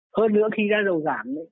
hơn nữa khi giá dầu giảm